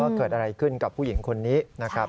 เกิดอะไรขึ้นกับผู้หญิงคนนี้นะครับ